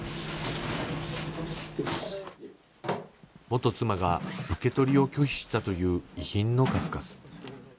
元妻が受け取りを拒否したという遺品の数々。